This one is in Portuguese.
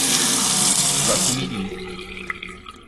Guapimirim